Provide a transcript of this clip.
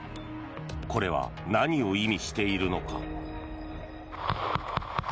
これは何を意味しているのか。